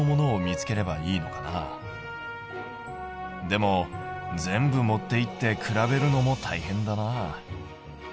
でも全部持っていって比べるのもたいへんだな。